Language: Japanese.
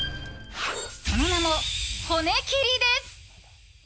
その名も骨切りです。